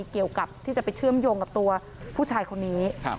เกี่ยวกับที่จะไปเชื่อมโยงกับตัวผู้ชายคนนี้